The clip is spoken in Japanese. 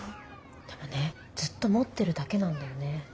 でもねずっと持ってるだけなんだよね。